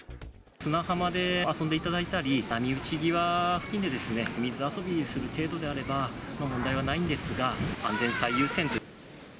砂浜で遊んでいただいたり、波打ち際付近で水遊びする程度であれば、問題はないんですが、安全最優先と。